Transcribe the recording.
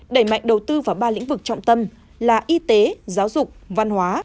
đẩy mạnh đầu tư vào ba lĩnh vực trọng tâm là y tế giáo dục văn hóa